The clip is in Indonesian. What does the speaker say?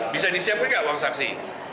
bisa disiapkan nggak uang saksi